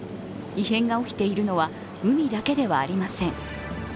異変が起きているのは海だけではありません。